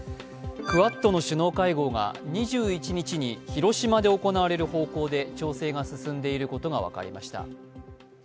クアッドの首脳会合が２１日に広島で行われる方向で調整が進んでいることが分かりました。